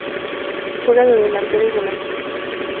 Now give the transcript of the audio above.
Juega de delantero y volante Izquierdo.